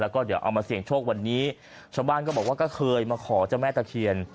แล้วก็เดี๋ยวเอามาเสี่ยงโชควันนี้ชาวบ้านก็บอกว่าก็เคยมาขอเจ้าแม่ตะเคียน